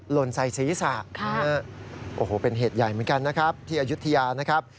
หล่นใส่ศีรษะโอ้โหเป็นเหตุใหญ่เหมือนกันนะครับที่อายุทยานะครับ